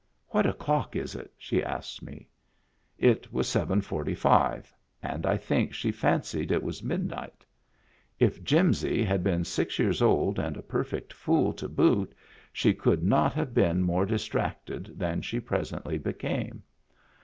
"What o'clock is it?" she asked me. It was seven forty five and I think she fancied it was midnight. If Jimsy had been six years old and a perfect fool to boot she could not have been more distracted than she presently became.